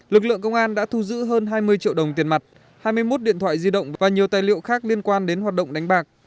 lực lượng công an đã thu giữ hơn hai mươi triệu đồng tiền mặt hai mươi một điện thoại di động và nhiều tài liệu khác liên quan đến hoạt động đánh bạc